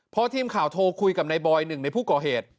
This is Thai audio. เพราะทีมข่าวโทรคุยกับนายบอย๑ในผู้ก่อเหตุ